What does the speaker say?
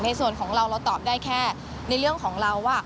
ในส่วนของเราเราตอบได้แค่ในเรื่องของเราว่า